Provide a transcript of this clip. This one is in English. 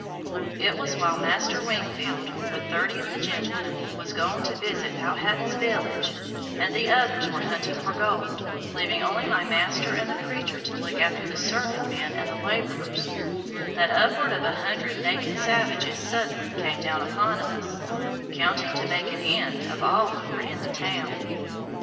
It was while Master Wingfield, with thirty of the gentlemen, was gone to visit Powhatan's village, and the others were hunting for gold, leaving only my master and the preacher to look after the serving men and the laborers, that upward of an hundred naked savages suddenly came down upon us, counting to make an end of all who were in the town.